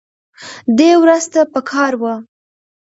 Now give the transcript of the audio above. دې ورځ ته پکار وه